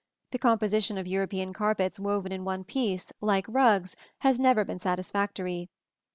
The composition of European carpets woven in one piece, like rugs, has never been satisfactory.